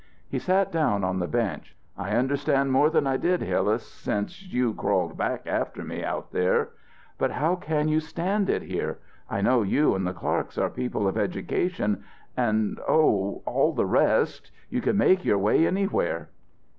He sat down on the bench. "I understand more than I did Hillas, since you crawled back after me out there. But how can you stand it here? I know you and the Clarks are people of education and, oh, all the rest; you could make your way anywhere."